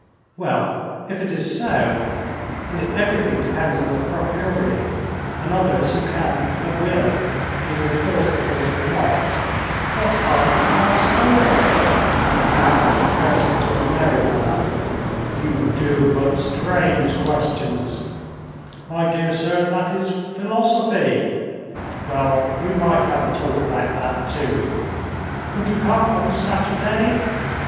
"Well, if it is so, and if everything depends on the Procureur and others who can, at will, either enforce the laws or not, what are the trials for?" The advocate burst into a merry laugh. "You do put strange questions. My dear sir, that is philosophy. Well, we might have a talk about that, too. Could you come on Saturday?